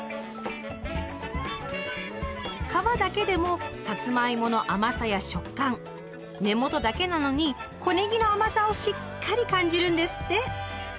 皮だけでもさつまいもの甘さや食感根元だけなのに小ねぎの甘さをしっかり感じるんですって。